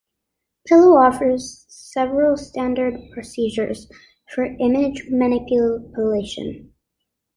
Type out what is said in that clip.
Pillow offers several standard procedures for image manipulation.